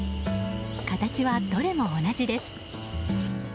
形はどれも同じです。